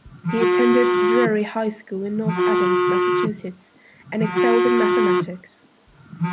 He attended Drury High School in North Adams, Massachusetts and excelled in mathematics.